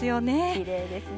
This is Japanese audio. きれいですね。